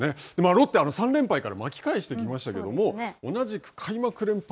ロッテは３連敗から巻き返してきましたけれども同じく開幕連敗